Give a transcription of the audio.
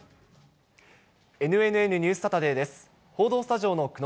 ＮＮＮニュースサタデーです。